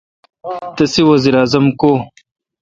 تسے° وزیر اعظم کو° ؟